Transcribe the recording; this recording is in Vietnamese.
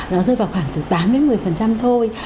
nó rơi vào khoảng từ tám đến một mươi thôi